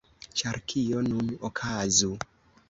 Ĉar kio nun okazu?